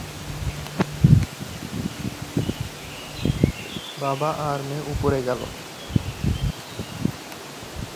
বাবা আর মেয়ে উপরে গেল।